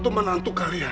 ini foto menantu kalian